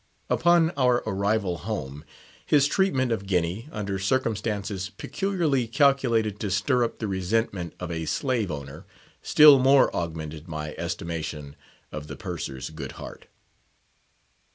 Upon our arrival home, his treatment of Guinea, under circumstances peculiarly calculated to stir up the resentment of a slave owner, still more augmented my estimation of the Purser's good heart.